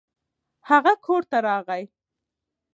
هغه کور ته راغی.